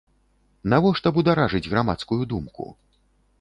Навошта бударажыць грамадскую думку?